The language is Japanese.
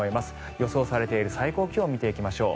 予想されている最高気温を見ていきましょう。